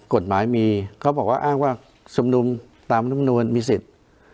กฎหมายมีเขาบอกว่าอ้างว่าชุมนุมตามลำนวนมีสิทธิ์